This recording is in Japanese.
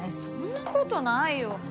そんな事ないよ！